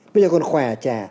bây giờ còn khỏe trẻ